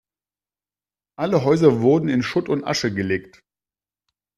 Alle Häuser wurden in Schutt und Asche gelegt.